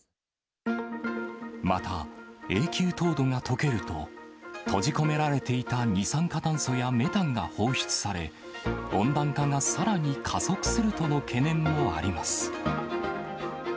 また、永久凍土がとけると、閉じ込められていた二酸化炭素やメタンが放出され、温暖化がさらに加速するとの懸念もあります。